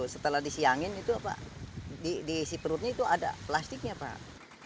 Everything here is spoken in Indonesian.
setelah disiangin itu apa diisi perutnya itu ada plastiknya pak